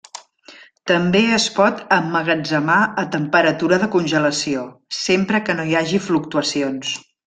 També es pot emmagatzemar a temperatura de congelació, sempre que no hi hagi fluctuacions.